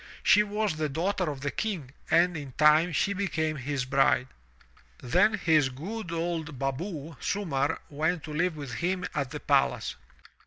She was the daughter of the King and in time she became his bride. Then his good old baboo, Sumarr, went to live with him at the palace.